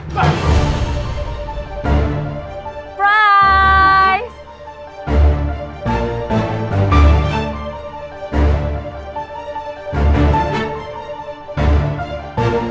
bayi adalah kamu